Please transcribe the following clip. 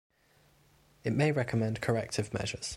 It may recommend corrective measures.